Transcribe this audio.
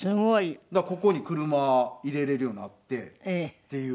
だからここに車入れられるようになってっていう。